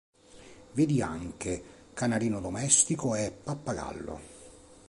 Vedi anche: Canarino domestico e Pappagallo